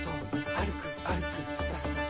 「あるくあるくスタスタと」